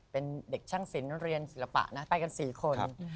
เป็นเด็กช่างศิลป์เรียนศิลปะนะไปกัน๔คน